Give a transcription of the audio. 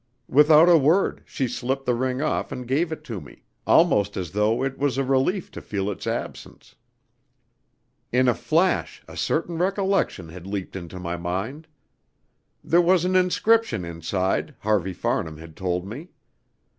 Without a word she slipped the ring off and gave it to me, almost as though it was a relief to feel its absence. In a flash a certain recollection had leaped into my mind. There was an inscription inside, Harvey Farnham had told me.